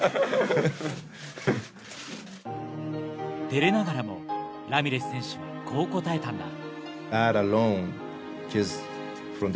照れながらもラミレス選手はこう答えたんだ。